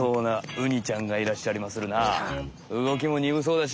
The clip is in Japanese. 動きもにぶそうだし